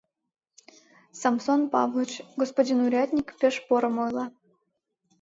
— Самсон Павлыч, господин урядник, пеш порым ойла.